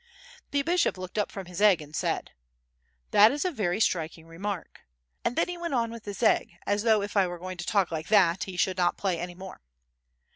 The bishop looked up from his egg and said: "That is a very striking remark," and then he went on with his egg as though if I were going to talk like that he should not play any more.